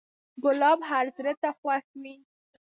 ګلاب هر زړه ته خوښ وي.